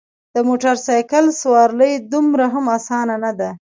د موټرسایکل سوارلي دومره هم اسانه نده.